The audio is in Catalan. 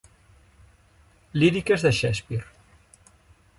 Líriques de Shakespeare.